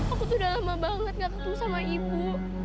aku tuh udah lama banget gak ketemu sama ibu